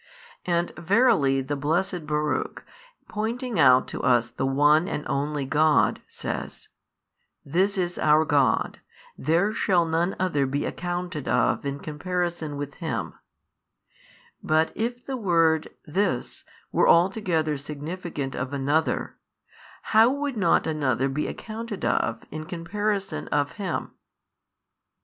And verily the blessed Baruch, pointing out to us the One and only God, says, This is our God, there shall none other be accounted of in comparison with Him, but if the word This were altogether significant of another, how would not another be accounted of in |589 comparison of Him?